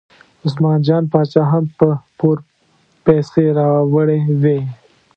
عثمان جان باچا هم په پور پیسې راوړې وې.